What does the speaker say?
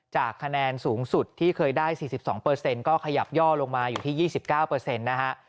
คะแนนสูงสุดที่เคยได้๔๒ก็ขยับย่อลงมาอยู่ที่๒๙นะฮะ